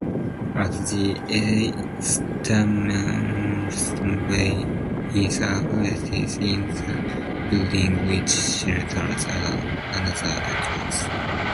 At the easternmost bay is a recess in the building which shelters another entrance.